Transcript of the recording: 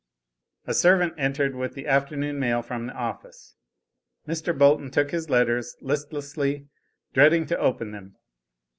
A servant entered with the afternoon mail from the office. Mr. Bolton took his letters listlessly, dreading to open them.